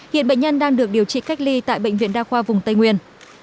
hiện bệnh nhân đang được điều trị cách ly tại bệnh viện đa khoa vùng tây nguyên